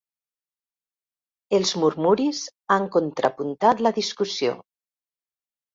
Els murmuris han contrapuntat la discussió.